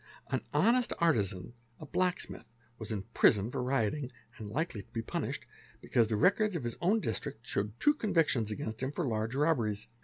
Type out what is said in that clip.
An honest artizan; a black % smith, was in prison for rioting and hkely to be punished, because the records of his own district showed two convictions against him for large robberies.